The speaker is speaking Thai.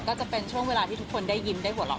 ก็จะเป็นช่วงเวลาที่ทุกคนได้ยิ้มได้หัวเราะ